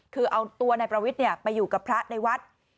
คือเอาตัวนายประวิทย์ไปอยู่กับพระในวัด